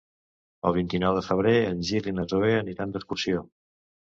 El vint-i-nou de febrer en Gil i na Zoè aniran d'excursió.